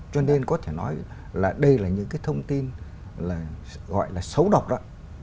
cho nên có thể nói là đây là những cái thông tin gọi là xấu độc đó